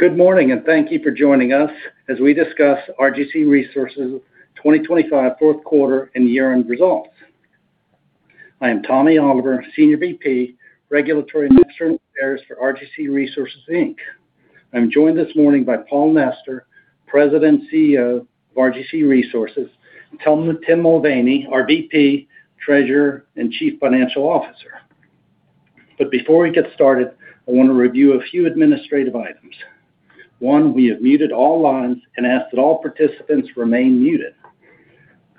Good morning, and thank you for joining us as we discuss RGC Resources' 2025 fourth quarter and year-end results. I am Tommy Oliver, Senior VP, Regulatory and External Affairs for RGC Resources Inc. I'm joined this morning by Paul Nester, President and CEO of RGC Resources, and Tim Mulvaney, our VP, Treasurer, and Chief Financial Officer. But before we get started, I want to review a few administrative items. One, we have muted all lines and ask that all participants remain muted.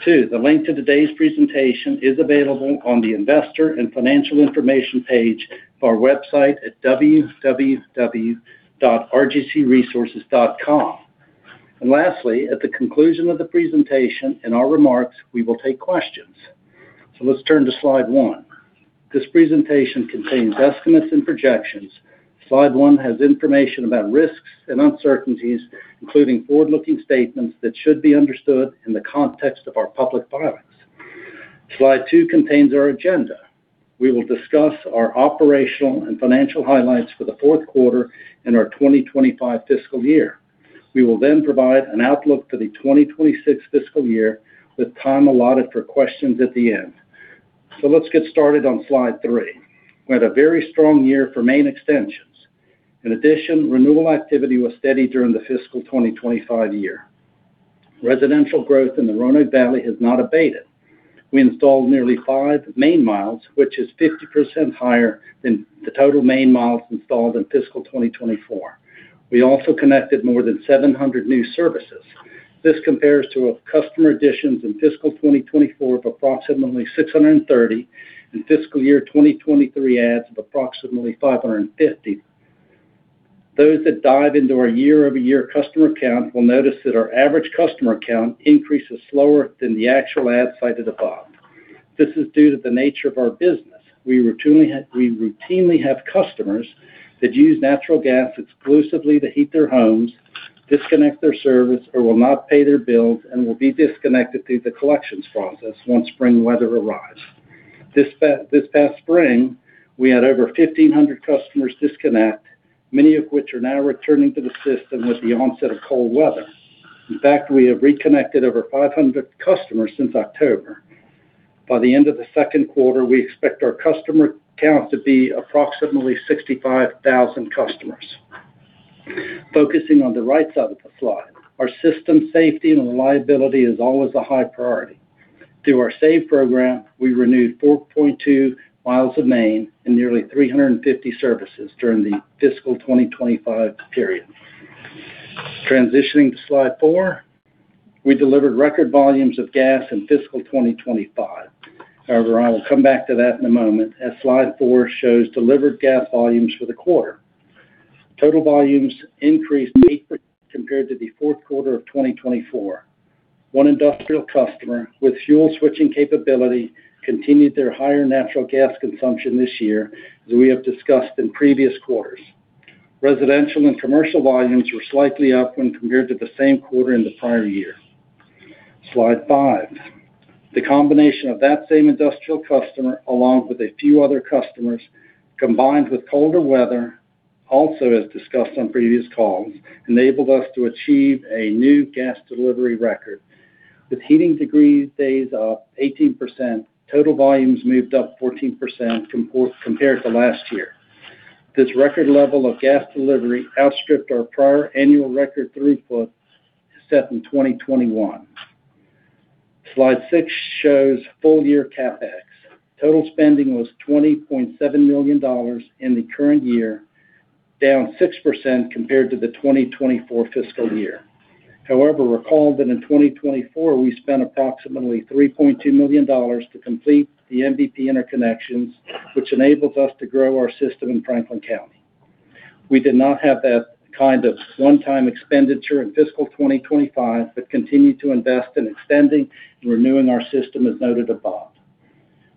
Two, the link to today's presentation is available on the Investor and Financial Information page of our website at www.rgcresources.com. And lastly, at the conclusion of the presentation and our remarks, we will take questions. So let's turn to slide one. This presentation contains estimates and projections. Slide one has information about risks and uncertainties, including forward-looking statements that should be understood in the context of our public filings. Slide two contains our agenda. We will discuss our operational and financial highlights for the fourth quarter and our 2025 fiscal year. We will then provide an outlook for the 2026 fiscal year with time allotted for questions at the end. So let's get started on slide three. We had a very strong year for main extensions. In addition, renewal activity was steady during the fiscal 2025 year. Residential growth in the Roanoke Valley has not abated. We installed nearly five main miles, which is 50% higher than the total main miles installed in fiscal 2024. We also connected more than 700 new services. This compares to customer additions in fiscal 2024 of approximately 630 and fiscal year 2023 adds of approximately 550. Those that dive into our year-over-year customer count will notice that our average customer count increases slower than the actual add cited above. This is due to the nature of our business. We routinely have customers that use natural gas exclusively to heat their homes, disconnect their service, or will not pay their bills, and will be disconnected through the collections process once spring weather arrives. This past spring, we had over 1,500 customers disconnect, many of which are now returning to the system with the onset of cold weather. In fact, we have reconnected over 500 customers since October. By the end of the second quarter, we expect our customer count to be approximately 65,000 customers. Focusing on the right side of the slide, our system safety and reliability is always a high priority. Through our SAVE program, we renewed 4.2 miles of main and nearly 350 services during the fiscal 2025 period. Transitioning to slide four, we delivered record volumes of gas in fiscal 2025. However, I will come back to that in a moment, as slide four shows delivered gas volumes for the quarter. Total volumes increased 8% compared to the fourth quarter of 2024. One industrial customer with fuel switching capability continued their higher natural gas consumption this year, as we have discussed in previous quarters. Residential and commercial volumes were slightly up when compared to the same quarter in the prior year. Slide five, the combination of that same industrial customer, along with a few other customers, combined with colder weather, also as discussed on previous calls, enabled us to achieve a new gas delivery record. With heating degree days up 18%, total volumes moved up 14% compared to last year. This record level of gas delivery outstripped our prior annual record throughput set in 2021. Slide six shows full year CapEx. Total spending was $20.7 million in the current year, down 6% compared to the 2024 fiscal year. However, recall that in 2024, we spent approximately $3.2 million to complete the MVP interconnections, which enables us to grow our system in Franklin County. We did not have that kind of one-time expenditure in fiscal 2025, but continue to invest in extending and renewing our system, as noted above.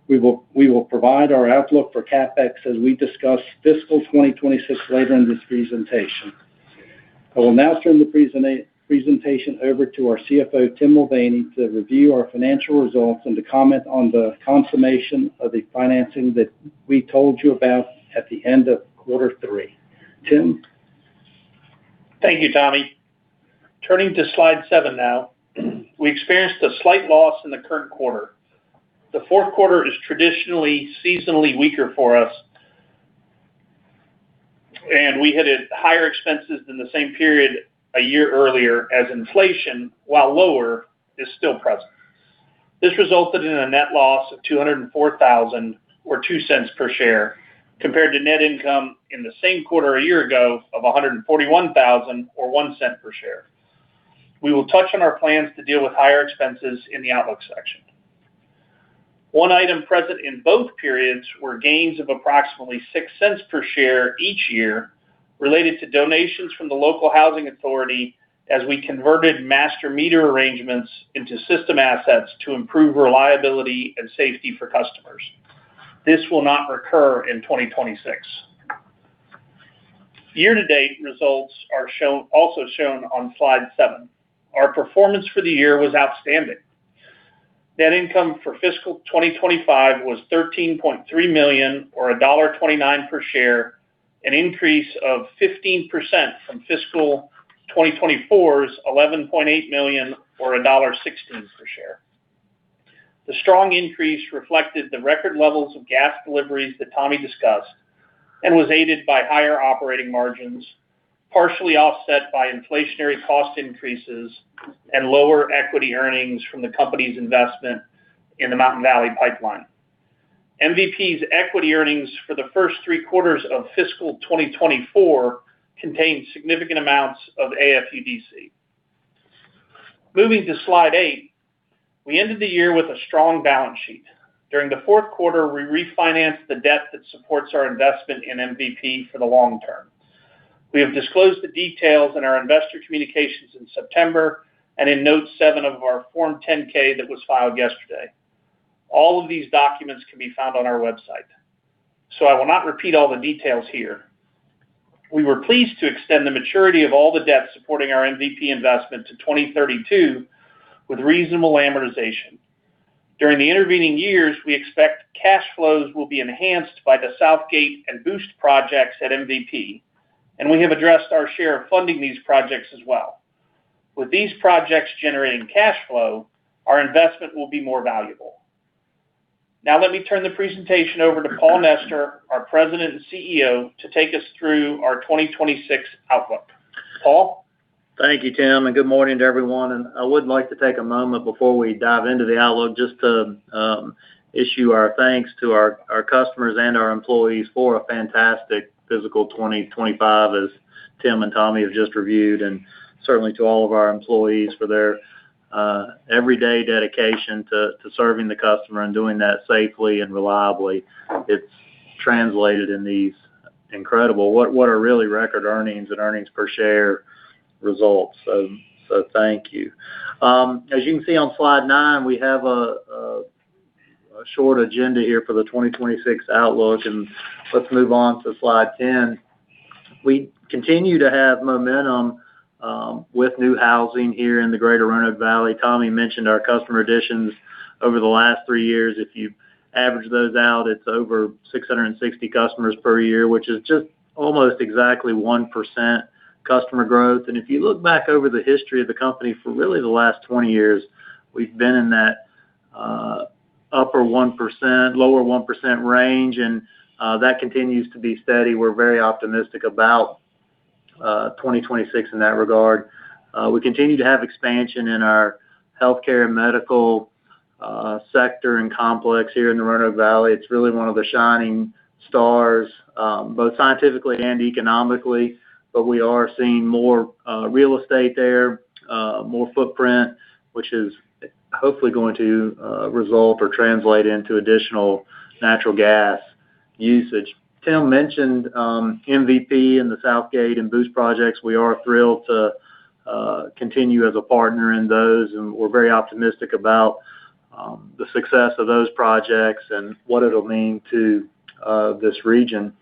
We will provide our outlook for CapEx as we discuss fiscal 2026 later in this presentation. I will now turn the presentation over to our CFO, Tim Mulvaney, to review our financial results and to comment on the consummation of the financing that we told you about at the end of quarter three. Tim? Thank you, Tommy. Turning to slide seven now, we experienced a slight loss in the current quarter. The fourth quarter is traditionally seasonally weaker for us, and we had higher expenses than the same period a year earlier as inflation, while lower, is still present. This resulted in a net loss of $204,000 or two cents per share compared to net income in the same quarter a year ago of $141,000 or $0.1 per share. We will touch on our plans to deal with higher expenses in the outlook section. One item present in both periods were gains of approximately $0.6 per share each year related to donations from the local housing authority as we converted master-meter arrangements into system assets to improve reliability and safety for customers. This will not recur in 2026. Year-to-date results are also shown on slide seven. Our performance for the year was outstanding. Net income for fiscal 2025 was $13.3 million or $1.29 per share, an increase of 15% from fiscal 2024's $11.8 million or $1.16 per share. The strong increase reflected the record levels of gas deliveries that Tommy discussed and was aided by higher operating margins, partially offset by inflationary cost increases and lower equity earnings from the company's investment in the Mountain Valley Pipeline. MVP's equity earnings for the first three quarters of fiscal 2024 contained significant amounts of AFUDC. Moving to slide eight, we ended the year with a strong balance sheet. During the fourth quarter, we refinanced the debt that supports our investment in MVP for the long term. We have disclosed the details in our investor communications in September and in note seven of our Form 10-K that was filed yesterday. All of these documents can be found on our website, so I will not repeat all the details here. We were pleased to extend the maturity of all the debt supporting our MVP investment to 2032 with reasonable amortization. During the intervening years, we expect cash flows will be enhanced by the Southgate and Boost projects at MVP, and we have addressed our share of funding these projects as well. With these projects generating cash flow, our investment will be more valuable. Now, let me turn the presentation over to Paul Nester, our President and CEO, to take us through our 2026 outlook. Paul? Thank you, Tim, and good morning to everyone. I would like to take a moment before we dive into the outlook just to issue our thanks to our customers and our employees for a fantastic fiscal 2025, as Tim and Tommy have just reviewed, and certainly to all of our employees for their everyday dedication to serving the customer and doing that safely and reliably. It's translated in these incredible what are really record earnings and earnings per share results. Thank you. As you can see on slide nine, we have a short agenda here for the 2026 outlook, and let's move on to slide 10. We continue to have momentum with new housing here in the greater Roanoke Valley. Tommy mentioned our customer additions over the last three years. If you average those out, it's over 660 customers per year, which is just almost exactly 1% customer growth. And if you look back over the history of the company for really the last 20 years, we've been in that upper 1%-lower 1% range, and that continues to be steady. We're very optimistic about 2026 in that regard. We continue to have expansion in our healthcare and medical sector and complex here in the Roanoke Valley. It's really one of the shining stars, both scientifically and economically, but we are seeing more real estate there, more footprint, which is hopefully going to result or translate into additional natural gas usage. Tim mentioned MVP and the Southgate and Boost projects. We are thrilled to continue as a partner in those, and we're very optimistic about the success of those projects and what it'll mean to this region.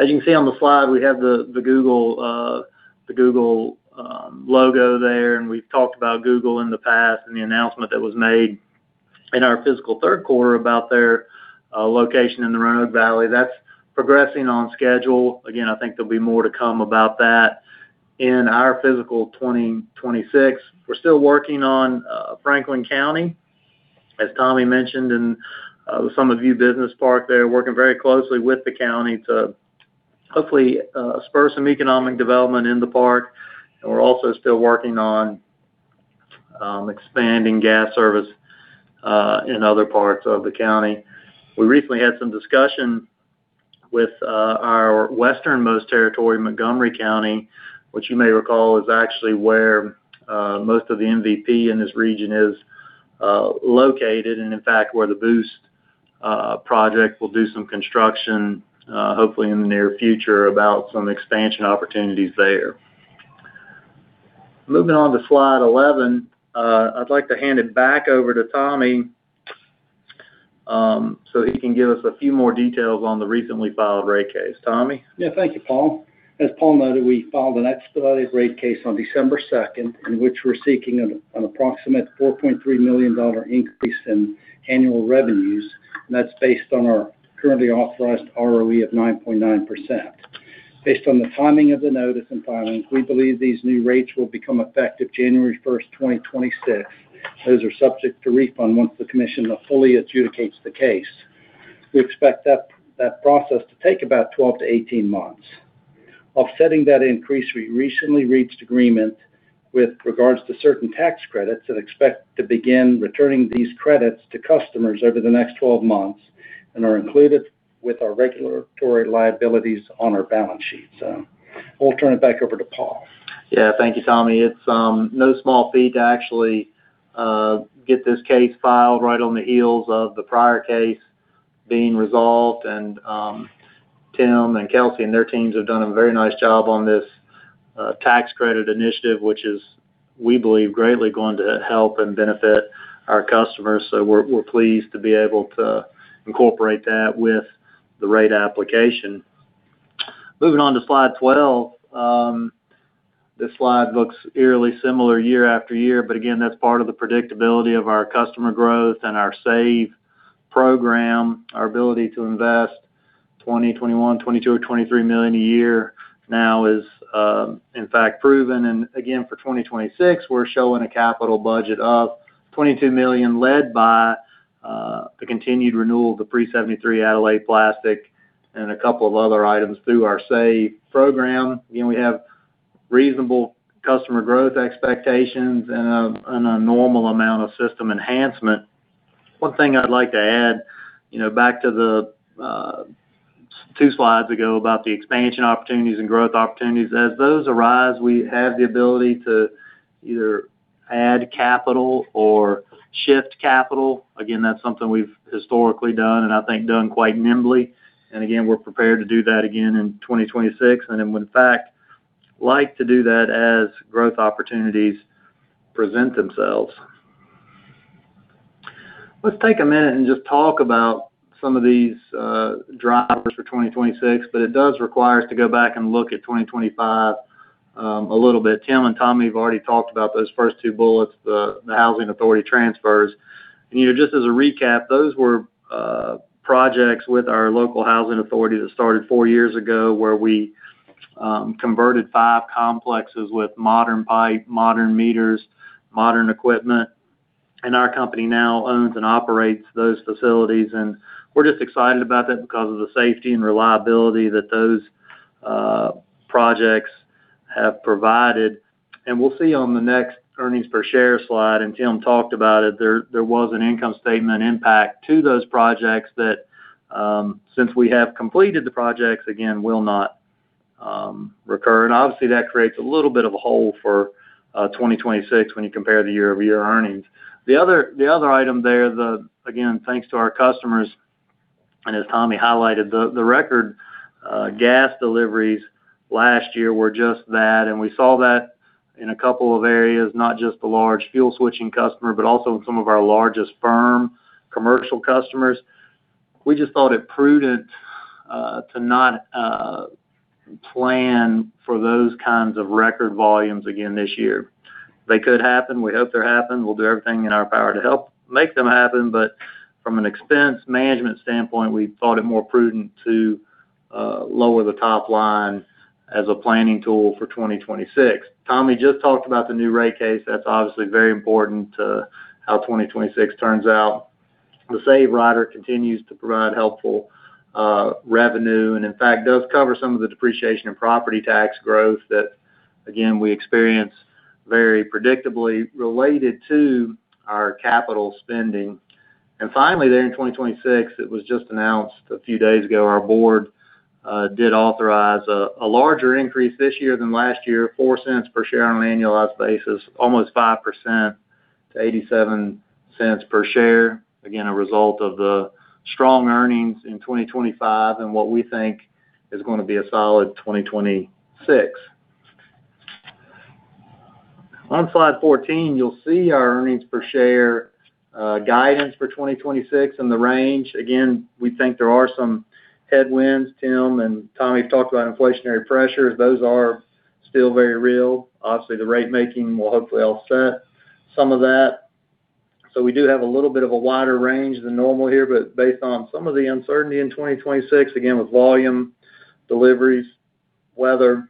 As you can see on the slide, we have the Google logo there, and we've talked about Google in the past and the announcement that was made in our fiscal third quarter about their location in the Roanoke Valley. That's progressing on schedule. Again, I think there'll be more to come about that in our fiscal 2026. We're still working on Franklin County, as Tommy mentioned, and Summit View Business Park there, working very closely with the county to hopefully spur some economic development in the park, and we're also still working on expanding gas service in other parts of the county. We recently had some discussion with our westernmost territory, Montgomery County, which you may recall is actually where most of the MVP in this region is located, and in fact, where the Boost project will do some construction hopefully in the near future about some expansion opportunities there. Moving on to slide 11, I'd like to hand it back over to Tommy so he can give us a few more details on the recently filed rate case. Tommy? Yeah, thank you, Paul. As Paul noted, we filed an expedited rate case on December 2nd, in which we're seeking an approximate $4.3 million increase in annual revenues, and that's based on our currently authorized ROE of 9.9%. Based on the timing of the notice and filings, we believe these new rates will become effective January 1st, 2026. Those are subject to refund once the commission fully adjudicates the case. We expect that process to take about 12-18 months. Offsetting that increase, we recently reached agreement with regards to certain tax credits and expect to begin returning these credits to customers over the next 12 months and are included with our regulatory liabilities on our balance sheet. So we'll turn it back over to Paul. Yeah, thank you, Tommy. It's no small feat to actually get this case filed right on the heels of the prior case being resolved. And Tim and Kelsey and their teams have done a very nice job on this tax credit initiative, which is, we believe, greatly going to help and benefit our customers. So we're pleased to be able to incorporate that with the rate application. Moving on to slide 12, this slide looks eerily similar year after year, but again, that's part of the predictability of our customer growth and our SAVE program. Our ability to invest $20 million, $21 million, $22 million, or $23 million a year now is, in fact, proven. And again, for 2026, we're showing a capital budget of $22 million led by the continued renewal of the pre-73 Aldyl-A plastic and a couple of other items through our SAVE program. Again, we have reasonable customer growth expectations and a normal amount of system enhancement. One thing I'd like to add back to the two slides ago about the expansion opportunities and growth opportunities, as those arise, we have the ability to either add capital or shift capital. Again, that's something we've historically done and I think done quite nimbly. And again, we're prepared to do that again in 2026, and in fact, like to do that as growth opportunities present themselves. Let's take a minute and just talk about some of these drivers for 2026, but it does require us to go back and look at 2025 a little bit. Tim and Tommy have already talked about those first two bullets, the housing authority transfers. And just as a recap, those were projects with our local housing authority that started four years ago where we converted five complexes with modern pipe, modern meters, modern equipment. And our company now owns and operates those facilities, and we're just excited about that because of the safety and reliability that those projects have provided. And we'll see on the next earnings per share slide, and Tim talked about it, there was an income statement impact to those projects that since we have completed the projects, again, will not recur. And obviously, that creates a little bit of a hole for 2026 when you compare the year-over-year earnings. The other item there, again, thanks to our customers, and as Tommy highlighted, the record gas deliveries last year were just that. And we saw that in a couple of areas, not just the large fuel switching customer, but also in some of our largest firm commercial customers. We just thought it prudent to not plan for those kinds of record volumes again this year. They could happen. We hope they're happening. We'll do everything in our power to help make them happen, but from an expense management standpoint, we thought it more prudent to lower the top line as a planning tool for 2026. Tommy just talked about the new rate case. That's obviously very important to how 2026 turns out. The SAVE rider continues to provide helpful revenue and in fact does cover some of the depreciation and property tax growth that, again, we experience very predictably related to our capital spending. Finally, there in 2026, it was just announced a few days ago. Our board did authorize a larger increase this year than last year, $0.04 per share on an annualized basis, almost 5% to $0.87 per share. Again, a result of the strong earnings in 2025 and what we think is going to be a solid 2026. On slide 14, you'll see our earnings per share guidance for 2026 and the range. Again, we think there are some headwinds. Tim and Tommy have talked about inflationary pressures. Those are still very real. Obviously, the rate making will hopefully offset some of that. So we do have a little bit of a wider range than normal here, but based on some of the uncertainty in 2026, again, with volume deliveries, weather,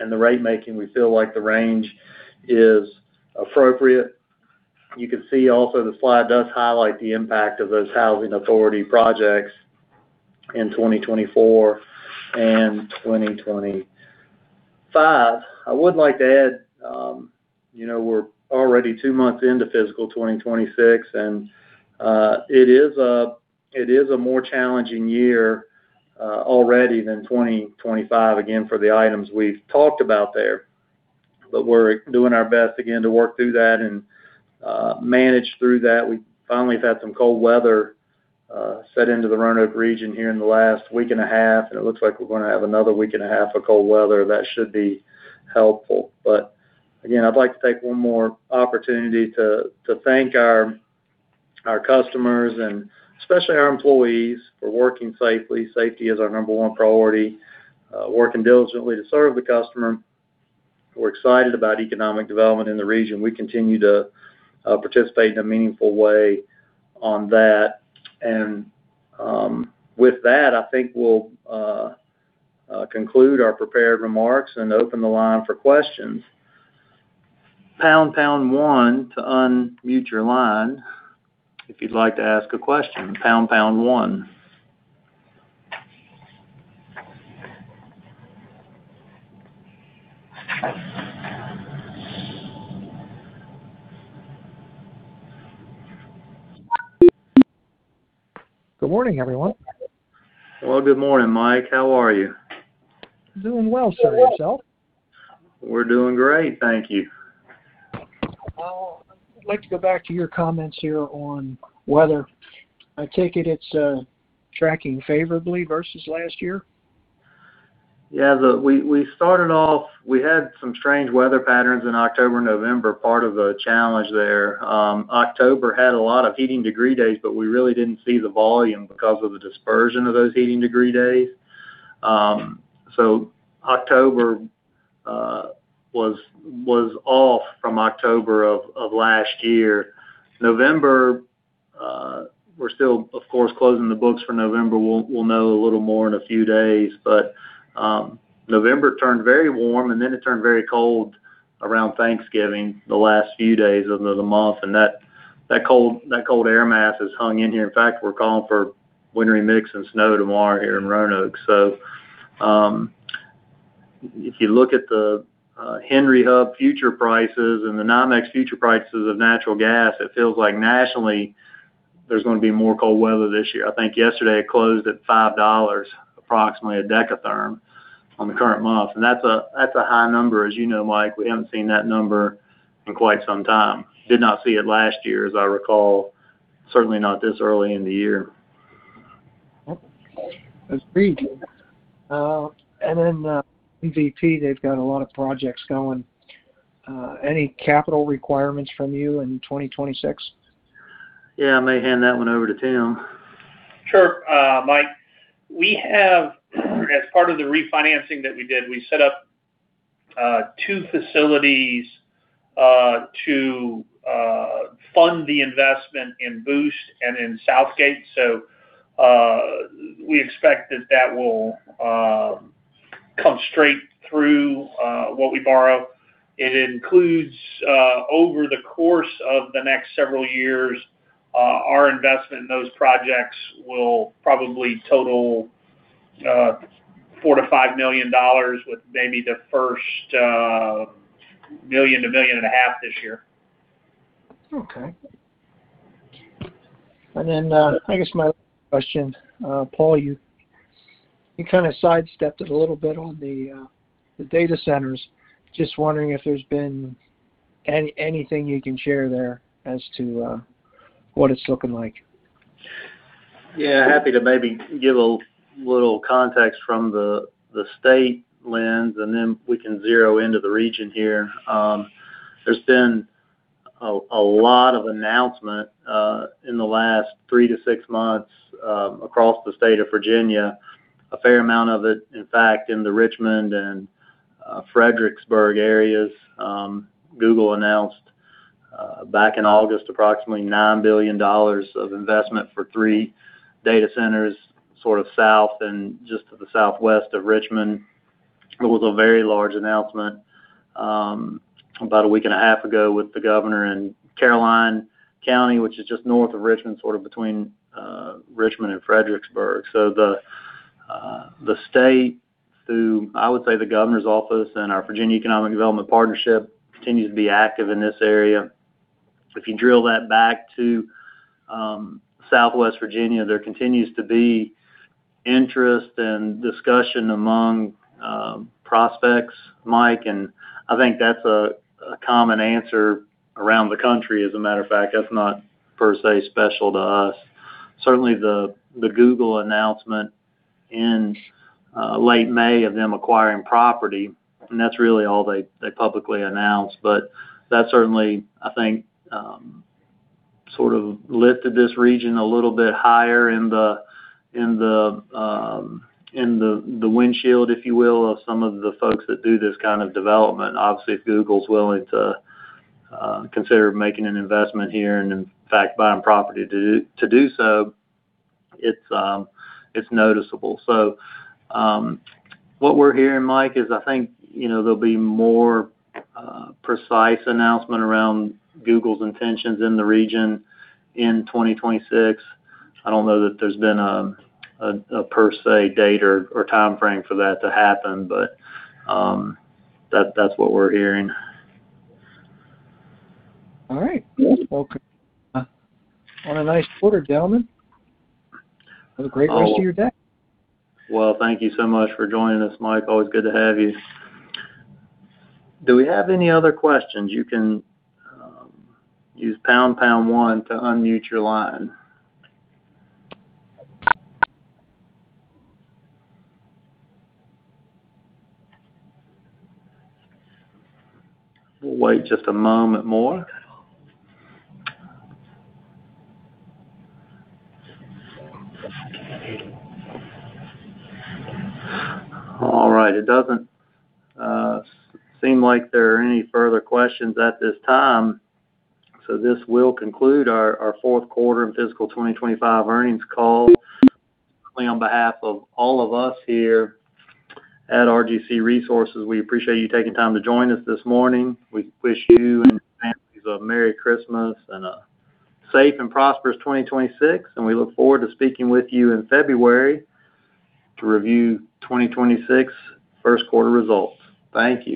and the rate making, we feel like the range is appropriate. You can see also the slide does highlight the impact of those housing authority projects in 2024 and 2025. I would like to add, we're already two months into fiscal 2026, and it is a more challenging year already than 2025, again, for the items we've talked about there. But we're doing our best, again, to work through that and manage through that. We finally have had some cold weather set into the Roanoke region here in the last week and a half, and it looks like we're going to have another week and a half of cold weather. That should be helpful. But again, I'd like to take one more opportunity to thank our customers and especially our employees for working safely. Safety is our number one priority. Working diligently to serve the customer. We're excited about economic development in the region. We continue to participate in a meaningful way on that, and with that, I think we'll conclude our prepared remarks and open the line for questions. Pound pound one to unmute your line if you'd like to ask a question. Pound pound one. Good morning, everyone. Good morning, Mike. How are you? Doing well, sir. Yourself? We're doing great. Thank you. I'd like to go back to your comments here on weather. I take it it's tracking favorably versus last year? Yeah, we started off, we had some strange weather patterns in October and November, part of the challenge there. October had a lot of heating degree days, but we really didn't see the volume because of the dispersion of those heating degree days. So October was off from October of last year. November, we're still, of course, closing the books for November. We'll know a little more in a few days. But November turned very warm, and then it turned very cold around Thanksgiving, the last few days of the month. And that cold air mass has hung in here. In fact, we're calling for wintry mix and snow tomorrow here in Roanoke. So if you look at the Henry Hub future prices and the NYMEX future prices of natural gas, it feels like nationally there's going to be more cold weather this year. I think yesterday it closed at $5 approximately a dekatherm on the current month, and that's a high number, as you know, Mike. We haven't seen that number in quite some time. Did not see it last year, as I recall. Certainly not this early in the year. That's neat. And then MVP, they've got a lot of projects going. Any capital requirements from you in 2026? Yeah, I may hand that one over to Tim. Sure. Mike, we have, as part of the refinancing that we did, we set up two facilities to fund the investment in Boost and in Southgate. So we expect that that will come straight through what we borrow. It includes, over the course of the next several years, our investment in those projects will probably total $4 million-$5 million with maybe the first $1 million-$1.5 million this year. Okay, and then I guess my question, Paul. You kind of sidestepped it a little bit on the data centers. Just wondering if there's been anything you can share there as to what it's looking like. Yeah, happy to maybe give a little context from the state lens, and then we can zero into the region here. There's been a lot of announcement in the last three to six months across the state of Virginia. A fair amount of it, in fact, in the Richmond and Fredericksburg areas. Google announced back in August approximately $9 billion of investment for three data centers sort of south and just to the southwest of Richmond. It was a very large announcement about a week and a half ago with the governor in Caroline County, which is just north of Richmond, sort of between Richmond and Fredericksburg. So the state, through, I would say, the governor's office and our Virginia Economic Development Partnership, continues to be active in this area. If you drill that back to Southwest Virginia, there continues to be interest and discussion among prospects, Mike. And I think that's a common answer around the country. As a matter of fact, that's not per se special to us. Certainly, the Google announcement in late May of them acquiring property, and that's really all they publicly announced. But that certainly, I think, sort of lifted this region a little bit higher in the windshield, if you will, of some of the folks that do this kind of development. Obviously, if Google's willing to consider making an investment here and, in fact, buying property to do so, it's noticeable. So what we're hearing, Mike, is I think there'll be more precise announcement around Google's intentions in the region in 2026. I don't know that there's been a per se date or timeframe for that to happen, but that's what we're hearing. All right. Well, on a nice quarter, gentlemen. Have a great rest of your day. Well, thank you so much for joining us, Mike. Always good to have you. Do we have any other questions? You can use Pound Pound One to unmute your line. We'll wait just a moment more. All right. It doesn't seem like there are any further questions at this time. So this will conclude our fourth quarter and fiscal 2025 earnings call. On behalf of all of us here at RGC Resources, we appreciate you taking time to join us this morning. We wish you and your family a Merry Christmas and a safe and prosperous 2026. And we look forward to speaking with you in February to review 2026 first quarter results. Thank you.